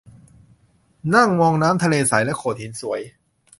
นั่งมองน้ำทะเลใสและโขดหินสวย